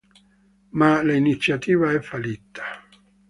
Ma l'iniziativa è fallita.